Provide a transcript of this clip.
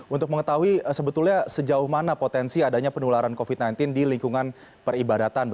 untuk mengetahui sebetulnya sejauh mana potensi adanya penularan covid sembilan belas di lingkungan peribadatan